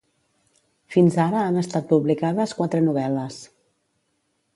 Fins ara han estat publicades quatre novel·les.